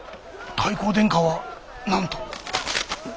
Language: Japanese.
太閤殿下は何と？